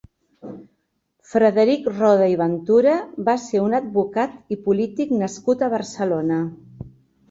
Frederic Roda i Ventura va ser un advocat i polític nascut a Barcelona.